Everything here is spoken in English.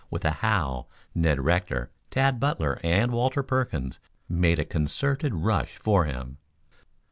With a howl, Ned Rector, Tad Butler and Walter Perkins made a concerted rush for him.